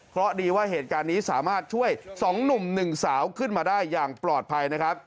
เพราะดีว่าเหตุการณ์นี้สามารถช่วย๒หนุ่ม๑สาวขึ้นมาได้อย่างปลอดภัยนะครับ